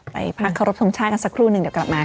ไปพาเคารพทุกชาติกันสักครู่นึงเดี๋ยวกลับมาค่ะ